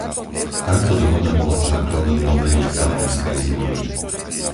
Táto dohoda bola základom novej Lisabonskej zmluvy.